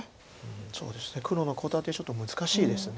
そうですね黒のコウ立てちょっと難しいです。